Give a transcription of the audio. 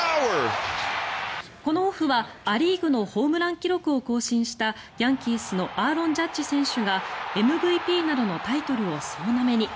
このオフはア・リーグのホームラン記録を更新したヤンキースのアーロン・ジャッジ選手がＭＶＰなどのタイトルを総なめに。